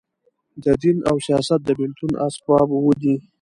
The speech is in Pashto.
د دین او سیاست د بېلتون اسباب اووه دي.